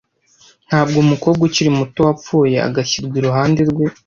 Ntabwo umukobwa ukiri muto wapfuye agashyirwa iruhande rwe,